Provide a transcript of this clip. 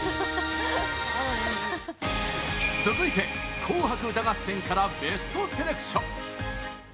続いて「紅白歌合戦」からベストセレクション。